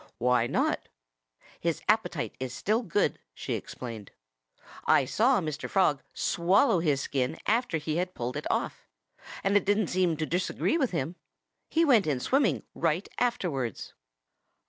"Why not?" "His appetite is still good," she explained. "I saw Mr. Frog swallow his skin after he had pulled it off. And it didn't seem to disagree with him. He went in swimming right afterwards."